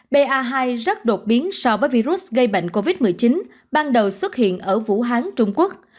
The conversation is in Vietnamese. ba hai rất đột biến so với virus gây bệnh covid một mươi chín ban đầu xuất hiện ở vũ hán trung quốc